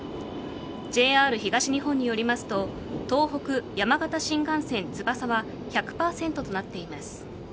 ＪＲ東日本によりますと東北・山形新幹線つばさは１００％となっています。